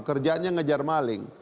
kerjaannya ngejar maling